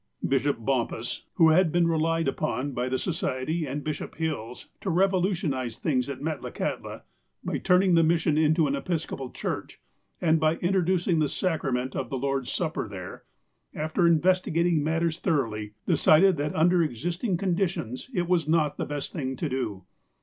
Bishop Bompas, who had been relied upon by the Society and Bishop Hills, to revolutionize things at Met lakahtla, by turning the mission into an Episcopal church, and by introducing the sacrament of the Lord's Supper there, after investigating matters thoroughly, decided that, under existing conditions, it was not the best thing to do.